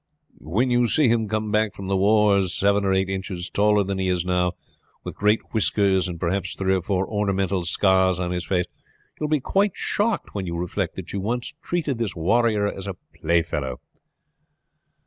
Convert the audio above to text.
When you see him come back from the wars seven or eight inches taller than he is now, with great whiskers, and perhaps three or four ornamental scars on his face, you will be quite shocked when you reflect that you once treated this warrior as a playfellow."